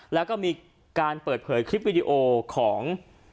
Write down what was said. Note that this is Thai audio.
แล้วก็มีการเปิดเผยคลิปวิดีโอของ